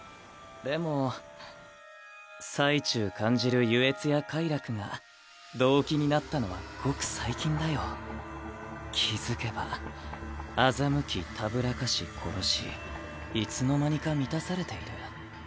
でも最中感じる愉悦や快楽が動機になったのはごく最近だよ気付けば欺きたぶらかし殺しいつの間にか満たされている。